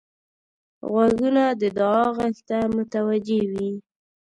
غوږونه د دعا غږ ته متوجه وي